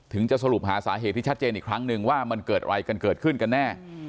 จะสรุปหาสาเหตุที่ชัดเจนอีกครั้งนึงว่ามันเกิดอะไรกันเกิดขึ้นกันแน่